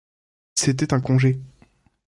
C’était un congé.